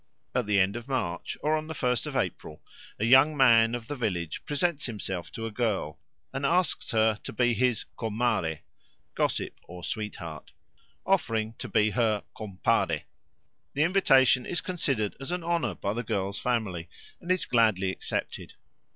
At the end of March or on the first of April a young man of the village presents himself to a girl, and asks her to be his comare (gossip or sweetheart), offering to be her compare. The invitation is considered as an honour by the girl's family, and is gladly accepted.